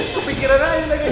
kepikiran aja lagi